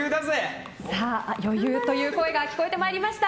余裕という声が聞こえてまいりました。